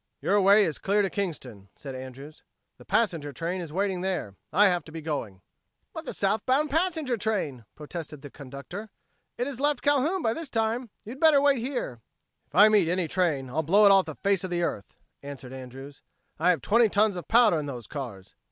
"Your way is clear to Kingston," said Andrews. "The passenger train is waiting there. I have to be going." "But the southbound passenger train!" protested the conductor. "It has left Calhoun by this time. You'd better wait here." "If I meet any train, I'll blow it off the face of the earth!" answered Andrews. "I have twenty tons of powder in those cars."